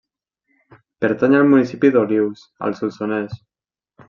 Pertany al municipi d'Olius, al Solsonès.